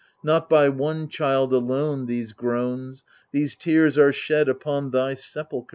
Not by one child alone these groans, these tears are shed Upon thy sepulchre.